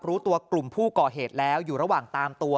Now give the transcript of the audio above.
รู้ตัวกลุ่มผู้ก่อเหตุแล้วอยู่ระหว่างตามตัว